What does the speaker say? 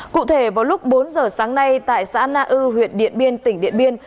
cụ thể vào lúc bốn giờ sáng nay tại xã na ư huyện điện biên tỉnh điện biên